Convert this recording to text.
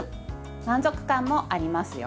満足感もありますよ。